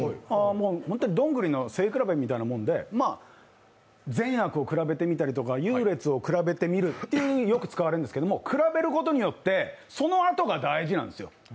本当にドングリの背比べみたいなもので善悪を比べてみたり、優劣を比べてみるということでよく使われるんですけど、比べることによって、そのあとが大事なんですよ。